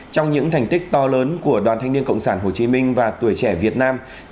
trong những thành tích to lớn của đoàn thanh niên cộng sản hồ chí minh và tuổi trẻ việt nam